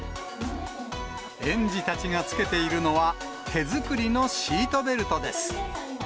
園児たちがつけているのは、手作りのシートベルトです。